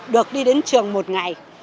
được đi đến trường một ngày